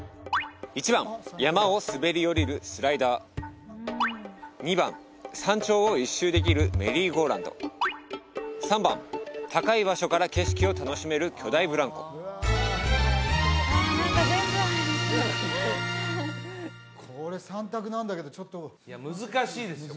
１番山を滑り降りる「スライダー」２番山頂を一周できる「メリーゴーランド」３番高い場所から景色を楽しめる「巨大ブランコ」これ３択なんだけどちょっといや難しいですよ